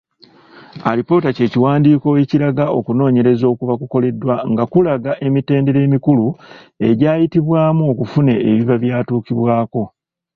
Alipoota ky’ekiwandiiko ekiraga okunoonyereza okuba kukoleddwa nga kulaga emitendera emikulu egyayitibwamu okufuna ebiba byatuukibwako.